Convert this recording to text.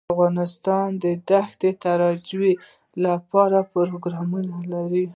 افغانستان د ښتې د ترویج لپاره پروګرامونه لري.